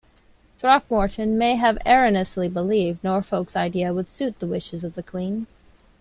Throckmorton may have erroneously believed Norfolk's idea would suit the wishes of the Queen.